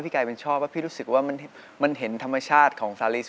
กลายเป็นชอบว่าพี่รู้สึกว่ามันเห็นธรรมชาติของซาลี